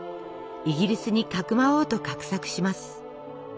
イギリスにかくまおうと画策します。